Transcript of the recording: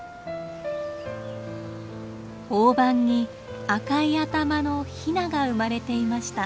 オオバンに赤い頭のヒナが生まれていました。